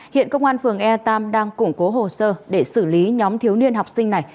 hiện công an phường ea tam đang củng cố hồ sơ để xử lý nhóm thiếu niên học sinh này